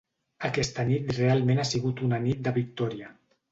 Aquesta nit realment ha sigut una nit de victòria.